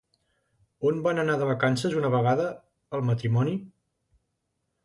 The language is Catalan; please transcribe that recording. On van anar de vacances una vegada, el matrimoni?